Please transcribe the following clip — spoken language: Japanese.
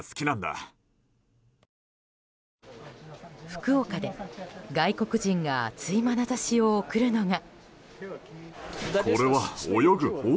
福岡で、外国人が熱いまなざしを送るのが。